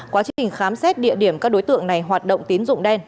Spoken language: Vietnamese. quá trình khám xét địa điểm các đối tượng này hoạt động tín dụng đen